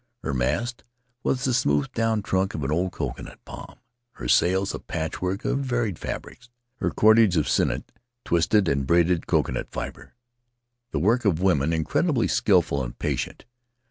Her mast was the smoothed down trunk of an old coconut palm; her sails a patchwork of varied fabrics; her cordage of cinnet, twisted and braided coconut fiber —■ the work of women, incredibly skillful and patient.